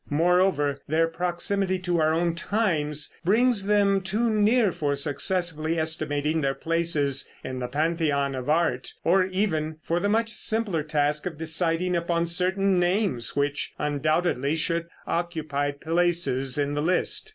Moreover, their proximity to our own times brings them too near for successfully estimating their places in the pantheon of art, or even for the much simpler task of deciding upon certain names which undoubtedly should occupy places in the list.